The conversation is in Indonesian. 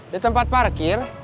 di tempat parkir